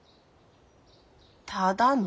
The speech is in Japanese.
ただの。